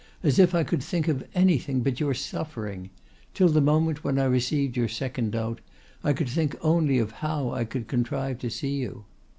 As if I could think of anything but your suffering. Till the moment when I received your second note I could think only of how I could contrive to see you.